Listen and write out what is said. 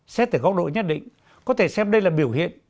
xét từ góc độ nhất định có thể xem đây là biểu hiện